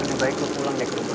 minta baik lo pulang deh ke rumah